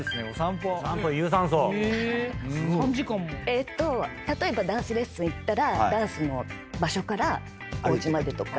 えーっと例えばダンスレッスン行ったらダンスの場所からおうちまでとか。